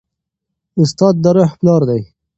استاد د روح پلار دی.